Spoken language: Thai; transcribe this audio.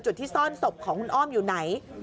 จุดที่ซ่อนศพของคุณอ้อมอยู่ไหน